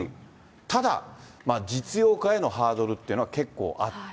ただ、実用化へのハードルっていうのは結構あって。